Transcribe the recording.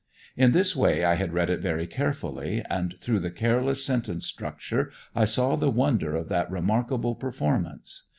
In this way I had read it very carefully, and through the careless sentence structure I saw the wonder of that remarkable performance.